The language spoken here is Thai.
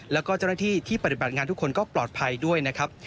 แล้วก็เจ้าหน้าที่ที่ปฏิบัติงานทุกคนก็ปลอดภัยด้วยนะครับ